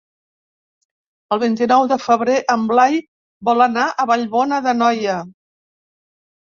El vint-i-nou de febrer en Blai vol anar a Vallbona d'Anoia.